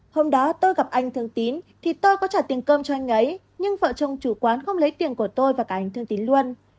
hôm đó tôi gặp anh thương tín thì tôi có trả tiền cơm cho anh ấy nhưng vợ chồng chủ quán không lấy tiền của tôi và cả anh thương tín luôn